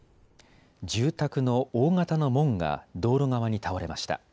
住宅の大型の門が道路側に倒れました。